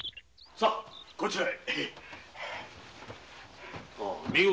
さこちらへ。